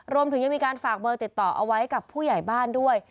รวมถึงยังมีการฝากเบอร์ติดต่อเอาไว้กับผู้ใหญ่บ้านด้วย